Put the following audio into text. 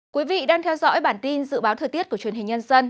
quý vị đang theo dõi bản tin dự báo thời tiết của truyền hình nhân dân